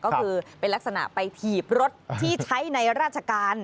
ก็คือเป็นลักษณะไปถีบรถที่ใช้ในราชการ